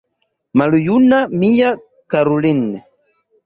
Maljuna mia karulin’!